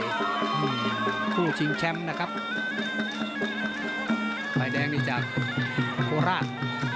มือผู้ชิงแชมป์นะครับไฟแดงนี่จากโกราศ